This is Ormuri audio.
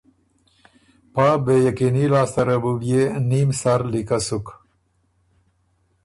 پا بې یقیني لاسته ره بُو بيې نیم سر لیکۀ سُک